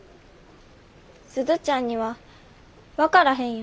鈴ちゃんには分からへんよ。